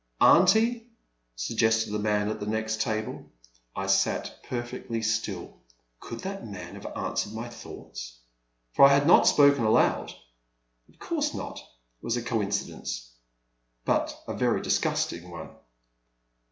'' Aunty, '' suggested the man at the next table. I sat perfectly still. Could that man have an swered my thoughts? — ^for I had not spoken aloud. Of course not — ^it was a coincidence, — ^but a very disgusting one.